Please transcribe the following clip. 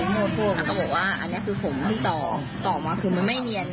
มาตรงนี้แล้วก็บอกว่าอันนี้คือผมที่ต่อต่อมาคือมันไม่เนียนไง